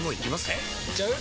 えいっちゃう？